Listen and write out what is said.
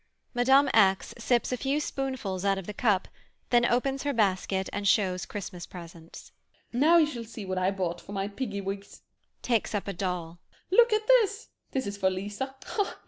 ] [Mme. X. sips a few spoonfuls out of the cup, then opens her basket and shows Christmas presents.] MME. X. Now you shall see what I bought for my piggywigs. [Takes up a doll.] Look at this! This is for Lisa, ha!